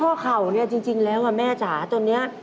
และข้อเข่านี่จริงแล้วแม่จ้าตอนนี้